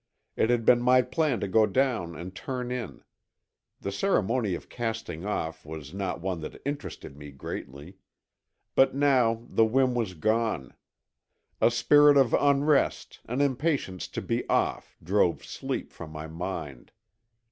It had been my plan to go down and turn in; the ceremony of casting off was not one that interested me greatly. But now the whim was gone; a spirit of unrest, an impatience to be off, drove sleep from my mind.